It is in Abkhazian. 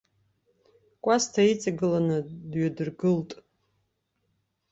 Кәасҭа иҵагыланы дҩадыргылт.